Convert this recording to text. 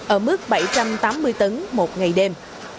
ở mức bảy trăm tám mươi tấn một ngày đêm